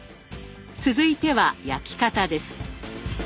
続いては焼き方です。